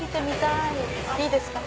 いいですか？